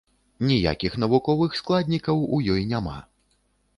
Ніякіх навуковых складнікаў у ёй няма.